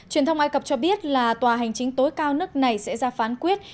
truyền thông ai cập cho biết là tòa hành chính tối cao nước này sẽ ra phán quyết